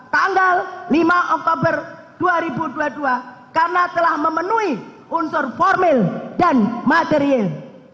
tanggal lima oktober dua ribu dua puluh dua karena telah memenuhi unsur formil dan material